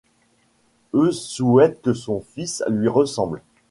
e souhaite que mon fils lui ressemble.